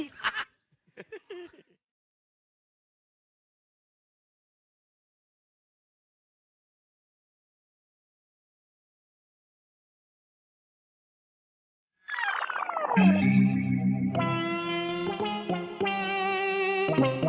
tidak ada yang bisa ngaji